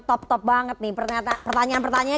top top banget nih pertanyaan pertanyaan